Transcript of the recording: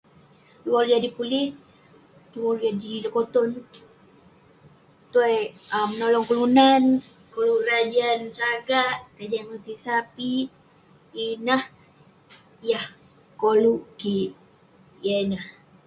[unintelligible] jadi pulih, [unintelligible] jadi erei lekoton, tuai ah menolong kelunan, koluk berajan sagak, berajan motit sapik. Ineh yah koluk kik, yah ineh.